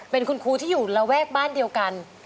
เป็นคุณครูที่อยู่ระแวกบ้านเดียวกัน